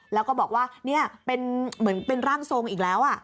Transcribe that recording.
แล้วก็บอกว่าเป็นร่างทรงอีกแล้ว